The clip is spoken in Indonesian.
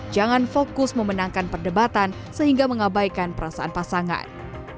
jangan fokus memenangkan perdebatan sehingga mengabaikan perasaan pasangan